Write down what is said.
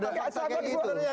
gak sabar gua